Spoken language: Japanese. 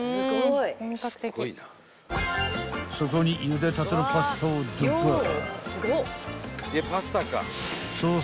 ［そこにゆでたてのパスタをドバッ］